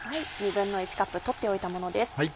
１／２カップ取っておいたものです。